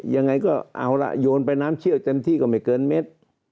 ยังไงก็เอาล่ะโยนไปน้ำเชี่ยวเต็มที่ก็ไม่เกินเม็ด